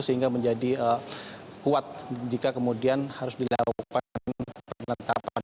sehingga menjadi kuat jika kemudian harus dilakukan penetapan